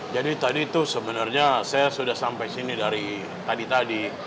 tadi itu sebenarnya saya sudah sampai sini dari tadi tadi